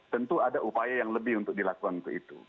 tentu ada upaya yang lebih untuk dilakukan untuk itu